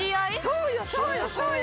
そうよそうよそうよ。